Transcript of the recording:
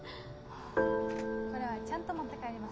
これはちゃんと持って帰ります。